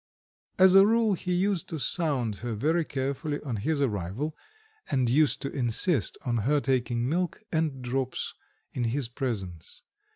As a rule he used to sound her very carefully on his arrival, and used to insist on her taking milk and drops in his presence.